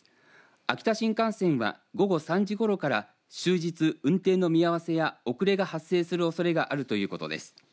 秋田新幹線は午後３時ごろから終日運転の見合わせや遅れが発生するおそれがあるということです。